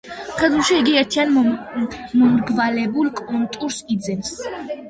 მხედრულში იგი ერთიან, მომრგვალებულ კონტურს იძენს.